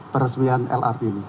peresmian lrt ini